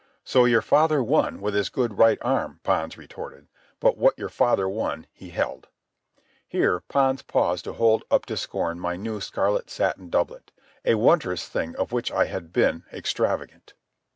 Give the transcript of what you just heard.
"So your father won with his good right arm," Pons retorted. "But what your father won he held." Here Pons paused to hold up to scorn my new scarlet satin doublet—a wondrous thing of which I had been extravagant.